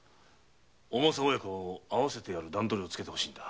おまさ親子を会わせてやる段取りをつけて欲しいんだ。